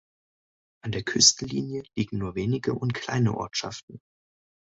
An der Küstenlinie liegen nur wenige und kleine Ortschaften.